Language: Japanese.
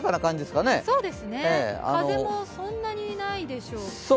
風もそんなにないでしょうか。